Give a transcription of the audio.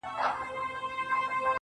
سترگي دي ژوند نه اخلي مرگ اخلي اوس~